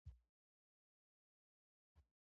نو له موخې او پیغام درک کولو او یا بل ته رسولو دې راګرځوي.